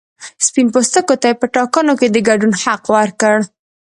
سپین پوستو ته یې په ټاکنو کې د ګډون حق ورکړ.